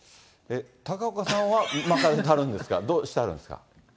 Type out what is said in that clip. えっ、高岡さんは任せてはるんですか、どうしてはるんですか。